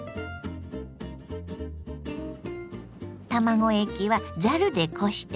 卵液はざるでこしてね。